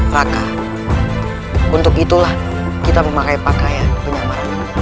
raka untuk itulah kita memakai pakaian penyamarannya